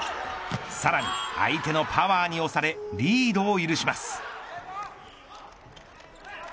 さらに相手のパワーに押されリードを許します。